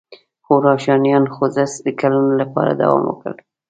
خو روښانیانو خوځښت د کلونو لپاره دوام وکړ.